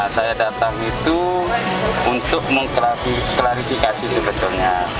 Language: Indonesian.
saya datang itu untuk mengklarifikasi sebetulnya